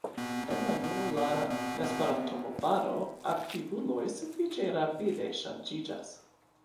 En la junulara Esperanto-movado aktivuloj sufiĉe rapide ŝanĝiĝas.